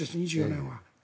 ２０２４年は。